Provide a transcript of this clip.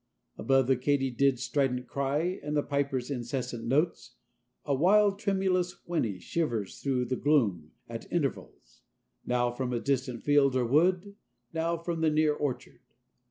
Above the katydid's strident cry and the piper's incessant notes, a wild tremulous whinny shivers through the gloom at intervals, now from a distant field or wood, now from the near orchard.